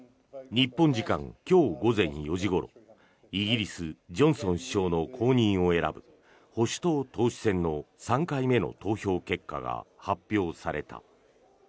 日本時間今日午前４時ごろイギリス、ジョンソン首相の後任を選ぶ保守党党首選の３回目の投票結果が発表された。